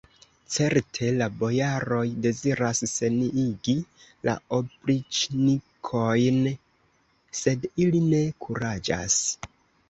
Certe, la bojaroj deziras neniigi la opriĉnikojn, sed ili ne kuraĝas!